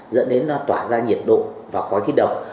dẫn đến nó tỏa ra nhiệt độ và khói khí động